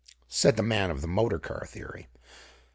said the man of the motor car theory.